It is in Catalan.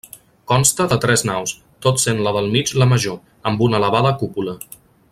Consta de tres naus, tot sent la del mig la major, amb una elevada cúpula.